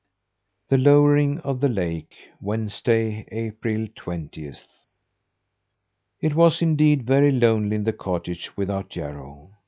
THE LOWERING OF THE LAKE Wednesday, April twentieth. It was indeed very lonely in the cottage without Jarro.